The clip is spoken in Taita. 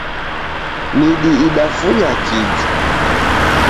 Midi idafunya kiju.